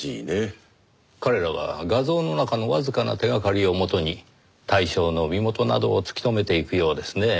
彼らは画像の中のわずかな手掛かりを元に対象の身元などを突き止めていくようですねぇ。